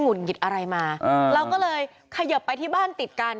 ุดหงิดอะไรมาเราก็เลยเขยิบไปที่บ้านติดกัน